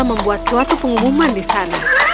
membuat suatu pengumuman di sana